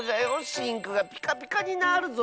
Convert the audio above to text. シンクがピカピカになるぞ。